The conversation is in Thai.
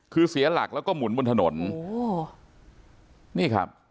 คือเสียหลักแล้วก็หมุนบนถนนโอ้โหนี่ครับ